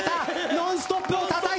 『ノンストップ！』をたたいた。